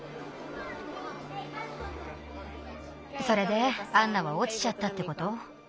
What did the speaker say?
それでアンナはおちちゃったってこと？